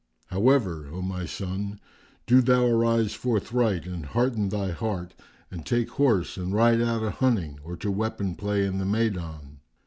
[FN#390] However, O my son, do thou arise forthright and hearten thy heart and take horse and ride out a hunting or to weapon play in the Maydan.